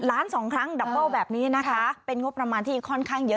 ล้านสองครั้งดับเบิ้ลแบบนี้นะคะเป็นงบประมาณที่ค่อนข้างเยอะ